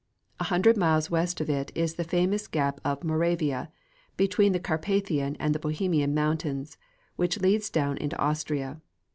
A hundred miles west of it is the famous gap of Moravia, between the Carpathian and the Bohemian mountains, which leads down into Austria.